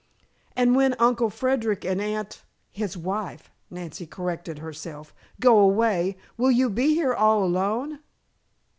"And when Uncle Frederic and Aunt his wife," Nancy corrected herself, "go away, will you be here all alone?"